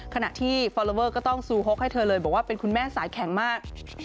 ขณะที่ฟอลลอเวอร์ก็ต้องซูฮกให้เธอเลยบอกว่าเป็นคุณแม่สายแข็งมาก